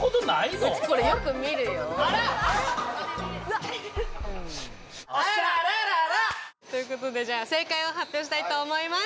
はい出ました・あらららら！ということでじゃあ正解を発表したいと思います